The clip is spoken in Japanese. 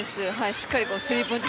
しっかりスリーポイント